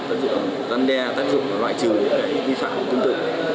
tác dụng là dân đe tác dụng là loại trừ những cái vi phạm tương tự